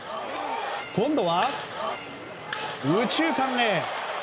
今度は右中間へ。